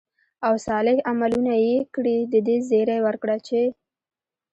او صالح عملونه ئې كړي، د دې زېرى وركړه چې: